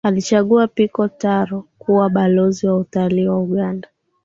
alichagua pico taro kuwa balozi wa utalii wa uganda